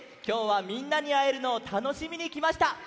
きょうはみんなにあえるのをたのしみにきました！